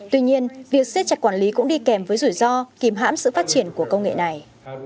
tuy nhiên việc xếp chặt quản lý cũng đi kèm với rủi ro kìm hãm sự phát triển của công nghệ này